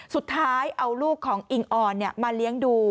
สุดท้ายเอาลูกของอิงออนมาเลี้ยงดู